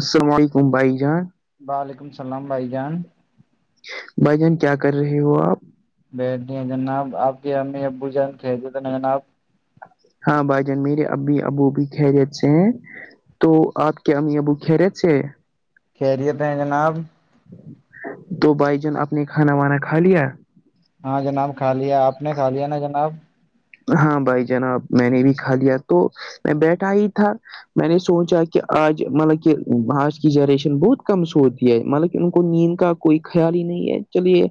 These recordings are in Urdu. السلام علیکم بھائی جان وعلیکم السلام بھائی جان بھائی جان کیا کر رہے ہو آپ بیٹتی جناب آپ کی امی ابو جان خیریت ہے جناب ہاں بھائی جان میرے ابی ابو بھی خیریت سے ہیں تو آپ کے اممی ابو خیریت سے ہے خیریت ہیں جناب تو بھائی جان اپ نے کھانا وانا کھا لیا ہاں جناب کھا لیا آپ نے کھا لیا نا جناب ہاں بھائی جناب میں نے بھی کھا لیا تو میں بیٹھا ہی تھا میں نے سوچا کہ آج مطلب کہ آج کی جنریشن بہت کم سوتی ہے مطلب کہ ان کو نیند کا کوئی خیال ہی نہیں ہے چلیے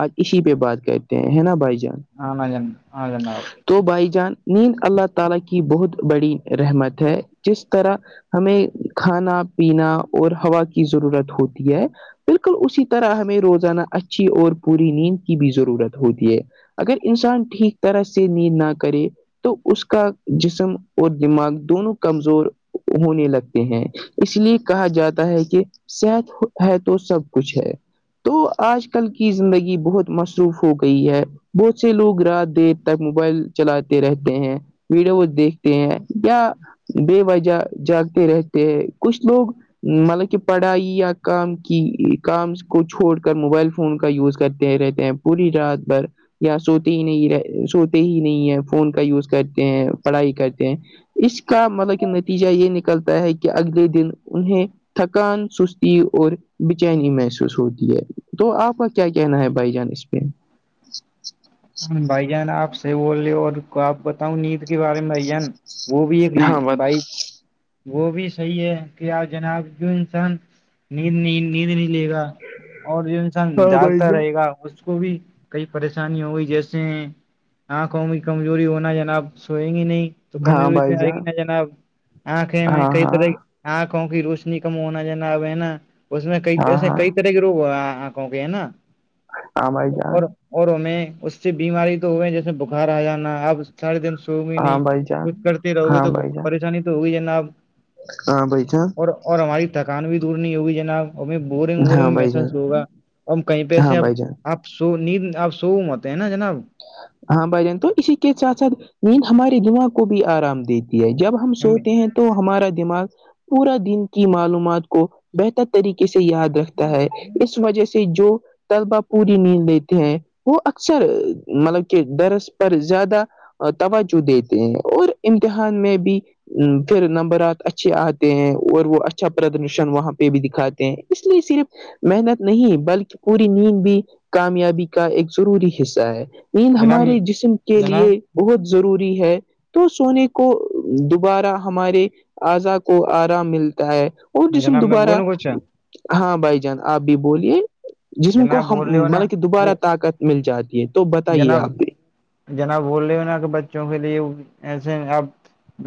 آج اسی پہ بات کرتے ہیں ہے نا بھائی جان ہاں بھائی جان ہاں جناب تو بھائی جان نیند اللہ تعالی کی بہت بڑی رحمت ہے جس طرح ہمیں کھانا پینا اور ہوا کی ضرورت ہوتی ہے بالکل اسی طرح ہمیں روزانہ اچھی اور پوری نیند کی بھی ضرورت ہوتی ہے اگر انسان ٹھیک طرح سے نیند نہ کرے تو اس کا جسم اور دماغ دونوں کمزور ہونے لگتے ہیں اس لیے کہا جاتا ہے کہ صحت ہے تو سب کچھ ہے تو آج کل کی زندگی بہت مصروف ہو گئی ہے بہت سے لوگ رات د تک موبائل چلاتے رہتے ہیں ویڈیوز دیکھتے ہیں یا بے وجہ جاگتے رہتے ہیں کچھ لوگ مطلب کہ پڑھائی یا کام کی کام کو چھوڑ کر موبائل فون کا یوز کرتے رہتے ہیں پوری رات بھر یا سوتے ہی نہیں رہ سوتے ہی نہیں ہے فون کا یوز کرتے ہیں پڑھائی کرتے ہیں اس کا مطلب کہ نتیجہ یہ نکلتا ہے کہ اگلے دن انہیں تھکان سستی اور بےچینی محسوس ہوتی ہے تو آپ کیا کہنا ہے بھائی جان اس پہ بھائی جان آپ سے بول رہے ہو اور آپ بتاؤ نیند کے بارے میں بھائی جان وہ بھی دی ہاں بت بھائی وہ بھی صحیح ہے کہ آپ جناب جو انسان نیند نیند نہیں لے گا اور جو انسان ہاں بھائی جاگتا جان رہے گا اس کو بھی کئی پریشانی ہو گئی جیسے آنکھوں میں کمزوری ہونا جناب سوئیں گی نہیں تو ہاں کمزوری بھائی تو آئے گی جان نا جناب آنکھیں ہاں کئی طرح ہاں آنکھوں کی روشنی کم ہونا جناب ہے نا اس میں کئی ہاں ایسے ہاں کئی [unintelligible] کو کہ ہے نا ہاں بھائی جان اور اور ہمیں اس سے بیماری تو ہوئے جیسے بخار آ جانا اب سارے دن سو گی ہاں نہیں بھائی جان کچھ کرتے رہو گی ہاں تو بھائی جان پریشانی تو ہوگی جناب ہاں بھائی چا اور اور ہماری تھکان بھی دور نہیں ہوگی جناب ہمیں بورنگ ہاں وورنگ بھائی جان محسوس ہوگا اور کہیں پہ ہاں سے اب بھائی جان آپ سو نیند آپ سوو مت تے نہ جناب ہاں بھائی جان تو اسی کے ساتھ ساتھ نیند ہمارے دماغ کو بھی آرام دیتی ہے جب ہم سوتے ہیں تو ہمارا دماغ پورا دن کی معلومات کو بہتر طریقے سے یاد رکھتا ہے اس وجہ سے جو طلبہ پوری نیند لیتے ہیں وہ اکثر مطلب کہ ڈرس پر زیادہ توجہ دیتے ہیں اور امتحان میں بھی پھر نمبرات اچھے آتے ہیں اور وہ اچھا پردرشن وہاں پہ بھی دکھاتے ہیں اس لیے صرف محنت نہیں بلکہ پوری نیند بھی کامیابی کا ایک ضروری حصہ ہے نیند جناب ہمارے جسم کے لیے جناب بہت ضروری ہے تو سونے کو دوبارہ ہمارے اضا کو آرام ملتا ہے اور جسم جناب میں دوبارہ بولوں کچھ ہاں بھائی جان آپ بھی بولیے جسم کو جناب ہم بول رہے ہو نا مطلب کہ وہ دوبارہ طاقت مل جاتی ہے تو بتائیے جناب آپ بھی جناب بول رہے ہو نا کہ بچوں کے لیے ایسے آپ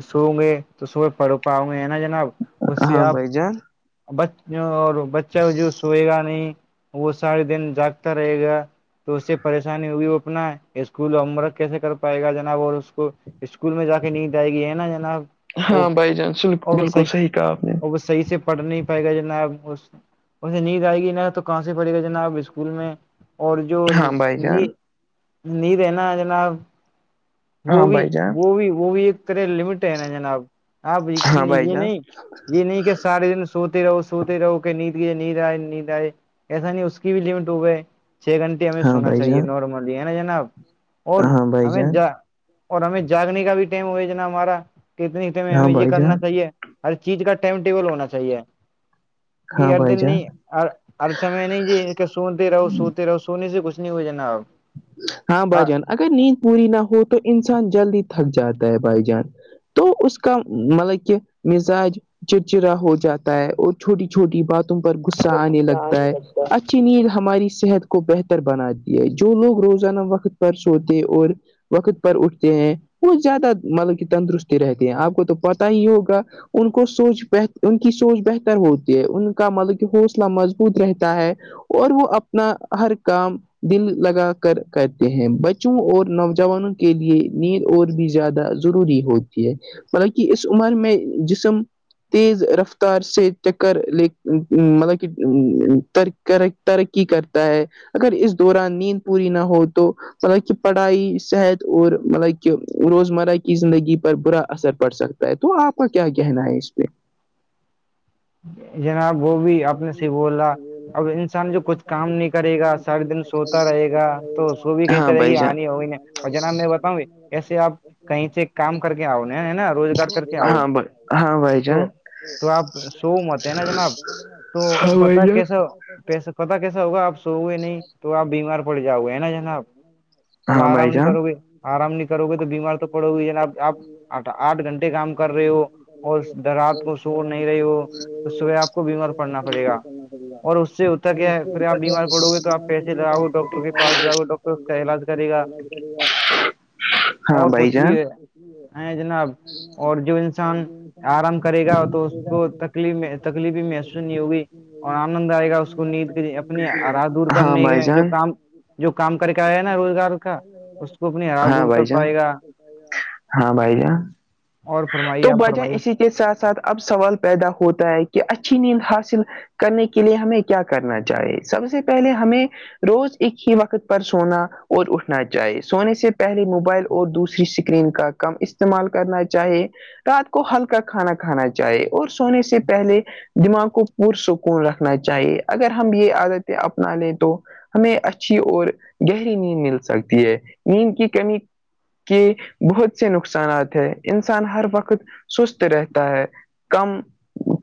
سوں گائ تو صبح پڑو پاں گے ہے نا جناب اس سے ہاں آپ بھائی جان بچ اور بچہ جو سوئے گا نہیں وہ سارے دن جاگتا رہے گا تو اس سے پریشانی وہ اپنا اسکول ہوم ورک کیسے کر پائے گا جناب اور اس کو اسکول میں جا کے نیند آئے گی ہے نا جناب اور ہاں بائی جان بالکل صحیح کہا آپ نے اور وہ صحیح سے پڑھ نہیں پائے گا جناب اس انھیں نیند آئے گی ن تو کہاں سے پڑے گا جناب اسکول میں اور جو ہاں بھائی ن جان نیند ہے نا جناب وہ ہاں بھی بھائی جان وہ بھی وہ بھی ایک طرح لمیٹ تے ہے نا جناب آپ یہ ہاں بھائی جان نہیں یہ نہیں کیسے سارے جنے سوتی رہو سوتی رہو کہ نیند کی نیند آئے نیند آئے ایسا نہیں اس کی بھی لمٹ ہو گئے چھی گھنٹے ہمیں ہاں سونا بھائی چاہیے جان نارملی ہے نا جناب اور ہاں بھائی ہمیں ج جان اور ہمیں جاگنے کا بھی ٹائم ہو نا ہمارا کتنے ٹائم ہاں ہمیں یہ بھائی جان کرنا چاہیے ہر چیز کا ٹائم ٹیبل ہونا چاہیے کہ ہاں ہر بھائی دن نہیں جان ہر سمے نہیں یہ کی سنتے رہو سوتے رہو س سونے سے کچھ نہیں ہو جناب ہاں بھای جان اگر نیند پوری نہ ہو تو انسان جلدی تھک جاتا ہے بھای جان تو اس کا مطلب کہ مزاج چڑچڑا ہو جاتا ہے اور چھوٹی چھوٹی باتوں پر غصہ آنے اچھا لگتا نہیں ہے اچھا نیند ہماری صحت کو بہتر بناتی ہے جو لوگ روزانہ وقت پر سوتے اور وقت پر اٹھتے ہیں وہ زیادہ مطلب کہ تندرستی رہتی ہیں آپ کو تو پتا ہی ہوگا ان کو سوچ ان کی سوچ بہتر ہوتی ہے ان کا مطلب کہ حوصلہ مضبوط رہتا ہے اور وہ اپنا ہر کام دل لگا کر کرتے ہیں بچوں اور نوجوانوں کے لیے نیند اور بھی زیادہ از ضروری ہوتی ہے مطلب کے اس عمر میں جسم تیز رفتار سے ٹاکر مطلب لے کہر کر ترقی کرتا ہے اگر اس دوران نیند پوری نہ ہو تو مطلب کہ پڑھائی صحت اور مطلب کہ روزمرہ کی زندگی پر برا اثر پڑ سکتا تو آپ کا کیا کہنا ہے اس پہ جناب وہ بھی اپ نے سے بولا اب انسان جو کچھ کام نہیں کرے گا سارے دن سوتا رہے گا تو اس کو بھی کئی ہاں طرح بھائی کی جان ہانی ہوئی نہیں اور جناب میں بتاؤں کیسے ہو اپ کہیں سے کام کر کے آؤ نا روزگار کر کے ہاں آؤ ہاں بھائی تو جان تو آپ ذرا سو مت ہیں نا جناب تو پتا کیسا کیسا پتا کیسا ہوگا آپ سوگے نہیں تو آپ بیمار پڑ جاوگے نہ جناب [inaudible] اب ہاں آرام بھائی نہیں جان کرو گے آرام نہیں کرو گے تو بیمار تو پڑو گی جناب آپ آٹ آٹھ گھنٹے کام کر رہے ہو اور در رات کو سو نہیں رہی ہو تو صبح آپ کو بیمار پڑنا پڑے گا اور اس سے ہوتا کیا پھر آپ بیمار پڑو گے تو آپ پیسے لگاؤ گے ڈاکٹر کے پاس جاؤ گے ڈاکٹر اس کا علاج کرے گا اور کچھ بھی ہے ہے جناب اور جو انسان آرام کرے گا تو کو تکلیف میں تکلیف ہی محسوس ہوگی اور آنند آئے گا اس کو نیند کے اپنی رات دور کرنے کے جو کام جو کام کر کے آیا نا روزگار کا اس کو اپنی ہرا دور کر پائے گا ہاں بھائی جان اور تو فرمائیے آپ بھائی جان اسی فرمائی اسی کے ساتھ ساتھ اب سوال پیدا ہوتا ہے کہ اچھی نیند حاصل کرنے کے لیے ہمیں کیا کرنا چاہیے سب سے پہلے ہمیں روز ایک ہی وقت پر سونا اور اٹھنا چاہے سونے سے پہلے موبائل اور دوسری اسکرین کا کم استعمال کرنا چاہیے رات کو ہلکا کھانا کھانا چاہے اور سونے سے پہلے دماغ کو پر سکون رکھنا چاہیے اگر ہم یہ عادتیں اپنا لیں تو ہمیں اچھی اور گہری نیند مل سکتی ہے نیند کی کمی کہ بہت سے نقصانات ہیں انسان ہر وقت سست رہتا ہے کم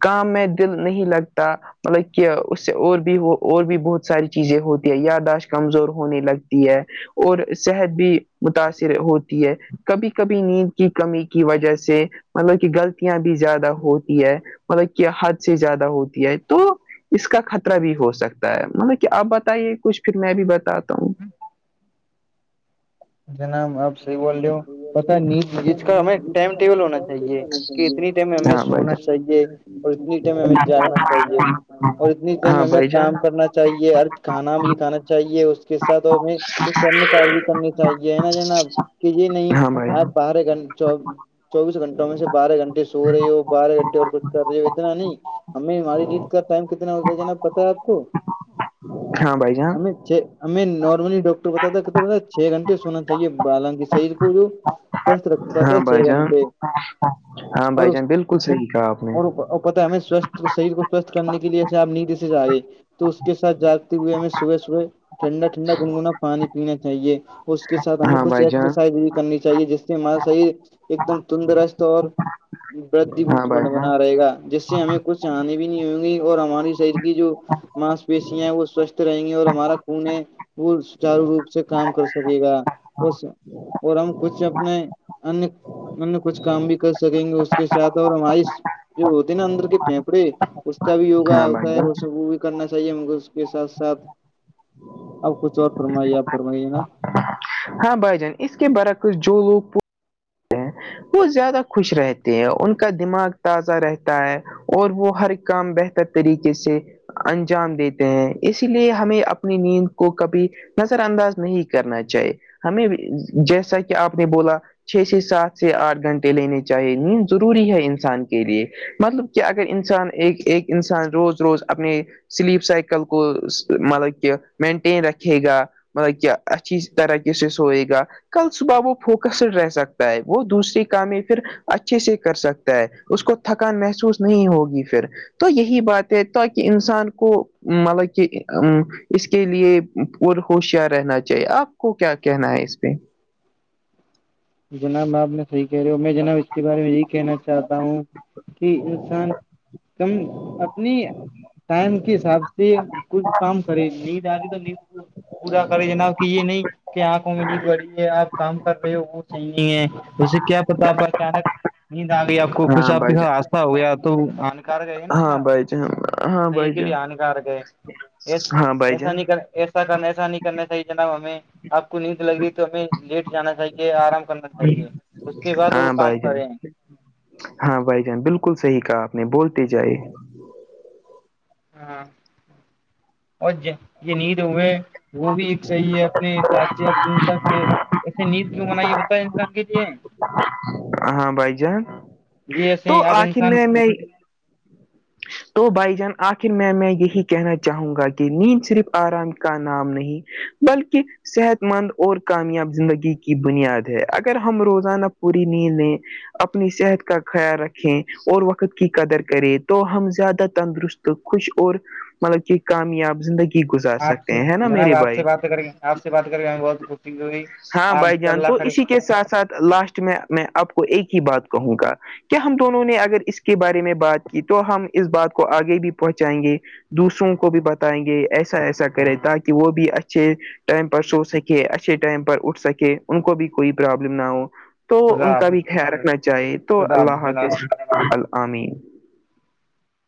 کام میں دل نہیں لگتا مطلب کہ اس سے اور بھی ہو اور بھی بہت ساری چیزیں ہوتی ہے یاداشت کمزور ہونے لگتی ہے اور صحت بھی متاثر ہوتی ہے کبھی کبھی نیند کی کمی کی وجہ سے مطلب کہ غلطیاں بھی زیادہ ہوتی ہے مطلب کہ حد سے زیادہ ہوتی ہے تو اس کا خطرہ بھی ہو سکتا ہے مطلب کہ آپ بتائیے کچھ پھر میں بھی بتاتا ہوں جناب آپ صحیح بول رہے ہو پتا نہیں نیند کا ہمیں ٹائم ٹیبل ہونا چاہیے کہ اتنی ٹائم ہمیں ہاں بھائی سونا چاہیے اور اتنی ٹائم ہمیں جاگنا جان چاہیے اور اتنی ٹائم ہاں ہمیں بھائی جان کام کرنا چاہیے اور کھانا بھی کھانا چاہیے اس کے ساتھ ہمیں کچھ ان کار بھی کرنے چاہیے ہے نا جناب کہ یہ نہیں ہاں بھائی جان آپ بارا گھنٹے چو چوبیس گھنٹوں میں سے بارہ گھنٹے سو رہی ہو بارہ گھنٹے اور کچھ کر رہی ہو اتنا نہیں ہمیں ہماری نیند کا ٹائم کتنا ہوتا جانا پتا ہے آپ کو ہاں بھائی جان جی ہمیں نارملی ڈاکٹر بتاتا کتنے چھ گھنٹے سونا چاہیے حالانکہ شریر کو جو سوستھ رکھتا تھا ہاں چھ بھائی جان گھنٹے ہاں اور بھائی اس جان بالکل صحیح کہا آپ نے اور بہت پتا ہے ہمیں سوستھ شریر کو سوستھ کرنے کے لیے اب جاگنے کی ذد آگںی تو اس کے ساتھ ہوئے ہمیں صبح صبح ٹھنڈا ٹھنڈا گنگنا پانی پینا چاہیے اس کے ساتھ ہمیں ہاں کچھ بھائی جان ایکسرسائز بھی کرنی چاہیے جس سے ہمارا شریر ایک دم تندرست اور ہاں ایکٹیوموڈ بھائی جان بنا رہے گا جس سے ہمیں کچھ آنے بھی نہیں ہوں گی اور ہماری شریر کی جو ماس پیشیاں ہیں وہ سوستھ رہیں گی اور ہمارا خون میں وولس چارو روپ سے کام کرسکے سکے گا اس اور ہم کچھ اپنے ان ان کچھ کام بھی کر سکیں گے اس کے ساتھ اور ہمارے جو ہوتی نا اندر کے پھیپڑے اس کب یگا ہاں بھائی ہوتا ہے جان ویسے بھی کرنا چاہیے مے اس کے ساتھ ساتھ اب کچھ اور فرمائیے آپ فرمائیے نا ہاں بھائی جان اس کے برعکز جو لوگ پور وہ زیادہ خوش رہتے ہیں ان کا دماغ تازہ رہتا ہے اور وہ ہر کام بہتر طریقے سے انجام دیتے ہیں اسی لیے ہمیں اپنی نیند کو کبھی نظر انداز نہیں کرنا چاہیے ہمیں جیسا کہ آپ نے بولا چھ سے سات سے آٹھ گھنٹے لینے چاہیے نیند ضروری ہے انسان کے لیے مطلب کہ اگر انسان ایک ایک انسان روز روز اپنے سلیپ سائیکل کو مطلب کہ مینٹین رکھے گا مطلب کیا اچھی طریقہ سے سوئے گا کل صبح وہ فوکسڈ رہ سکتا ہے وہ دوسری کام پھر اچھے سے کر سکتا ہے اس کو تھکان محسوس نہیں ہوگی پھر تو یہی بات ہے تاکہ انسان کو مطلب کہ اس کے لیے اور ہوشیار رہنا چاہیے آپ کو کیا کہنا ہے اس پہ جناب آپ نے صحیح کہہ رہے ہو میں جناب اس کے بارے میں یہی کہنا چاہتا ہوں کہ انسان کم اپنی ٹائم کے حساب سے کچھ کام کرے نیند آری تو نیند کو پورا کرے جناب کہ یہ نہیں کہ آنکھوں میں نیند بڑی ہے آپ کام کر رہے ہو وہ صحیح نہیں ہے اسے کیا پتا آپ اچانک نیند آگئی آپ کو کچھ ہاں آپ کے بھائی جان راستہ ہو گیا تو انانکار گئے نہ ہاں آپ بھائی ہاں صحیح بھائی کے جان لیے ہانکار ہے ہاں بھائی ایسا جان نہیں کر ایسا کرنا ایسا نہیں کرنا چاہئے جانب ہمیں آپ کو نیند لگ رہی تو ہمیں لیٹ جانا چاہیے آرام کرنا چاہیے اس کے بعد وہ ہاں کام بھائی جان کرے ہاں بھائی جان بالکل صحیح کہا آپ نے بولتے جائے ہاں اور یہ یہ نیند ہوئے وہ بھی ایک صحیح ہے اپنے حساب سے اب ویسے نیڈ کیوں بنا یہ پتا ہے انسان کے لیے ہاں بھائی جان جی تو ایسے اب آخر انسان میں میں تو بھائی جان آخر میں میں یہی کہنا چاہوں گا کہ نیند صرف آرام کا نام نہیں بلکہ صحت مند اور کامیاب زندگی کی بنیاد ہے اگر ہم روزانہ پوری نیند لیں اپنی صحت کا خیال رکھیں اور وقت کی قدر کریں تو ہم زیادہ تندرست خوش اور مطلب کہ کامیاب زندگی گزار آپ سکتے سے ہیں ہے نا جناب میرے آپ بھائی سے بات کری آپ سے بات کری ہم بہت خوشی جو ہوئی ہاں آپ بھائی سے جان اللہ تو کرے اسی کے ساتھ ساتھ لاسٹ میں میں آپ کو ایک ہی بات کہوں گا کیا ہم دونوں نے اگر اس کے بارے میں بات کی تو ہم اس بات کو آگے بھی پہنچائیں گے دوسروں کو بھی بتائیں گے ایسا ایسا کرے تاکہ وہ بھی اچھے ٹائم پر سو سکے اچھے ٹائم پر اٹھ سکے ان کو بھی کوئی پرابلم نہ ہو تو ان خدا کا حافظ بھی خیال رکھنا چاہے تو خدا اللہ جناب حافظ امین